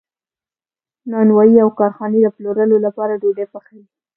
نانوایی او کارخانې د پلورلو لپاره ډوډۍ پخوي.